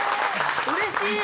うれしい！